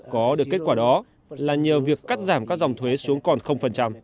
có được kết quả đó là nhờ việc cắt giảm các dòng thuế xuống còn